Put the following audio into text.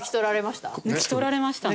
抜き取られました？